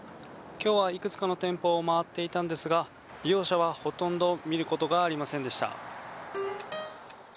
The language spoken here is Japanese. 今日はいくつかの店舗を回ったんですが利用者は、ほとんど見ることはありませんでした。